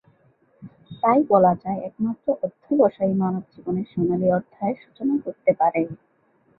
তাই বলা যায়, একমাত্র অধ্যবসায়ই মানব জীবনের সোনালী অধ্যায়ের সূচনা করতে পারে।